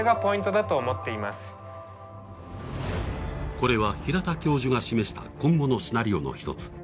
これは平田教授が示した今後のシナリオの１つ。